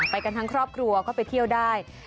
ไปกันทั้งครอบครัวก็ไปเที่ยวได้